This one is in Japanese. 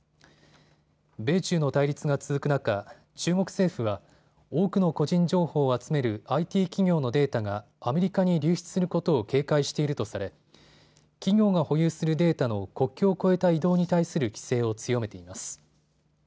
米中の対立が続く中、中国政府は多くの個人情報を集めるＩＴ企業のデータがアメリカに流出することを警戒しているとされ企業が保有するデータの国境を越えた移動に対する規制を強めています。